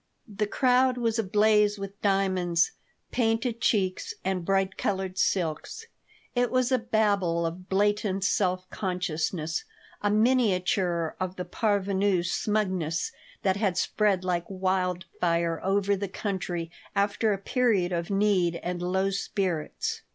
The crowd was ablaze with diamonds, painted cheeks, and bright colored silks. It was a babel of blatant self consciousness, a miniature of the parvenu smugness that had spread like wild fire over the country after a period of need and low spirits.